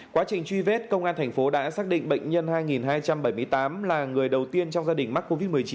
quá trình truy vết công an thành phố đã xác định bệnh nhân hai hai trăm bảy mươi tám là người đầu tiên trong gia đình mắc covid một mươi chín